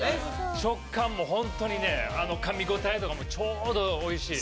食感もホントにね噛み応えとかもちょうどおいしい。